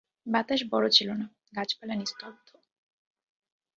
বাতাস বড়ো ছিল না, গাছপালা নিস্তব্ধ।